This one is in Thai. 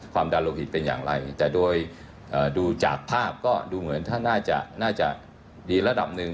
ดันโลหิตเป็นอย่างไรแต่โดยดูจากภาพก็ดูเหมือนถ้าน่าจะดีระดับหนึ่ง